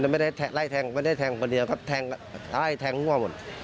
ไม่ได้ไล่แทงคนเดียวก็ไล่แทงทั่วหมด